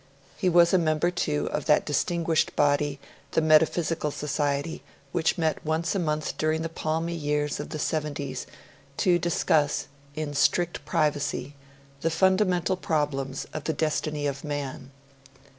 He was a member, too, of that distinguished body, the Metaphysical Society, which met once a month during the palmy years of the seventies to discuss, in strict privacy, the fundamental problems of the destiny of man.